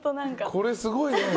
これすごいね！